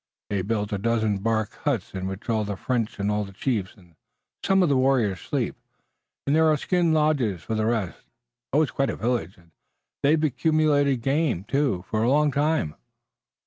They've built a dozen bark huts in which all the French, all the chiefs and some of the warriors sleep, and there are skin lodges for the rest. Oh, it's quite a village! And they've accumulated game, too, for a long time."